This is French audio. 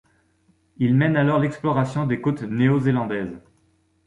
Il mène alors l'exploration des côtes néo-zélandaises.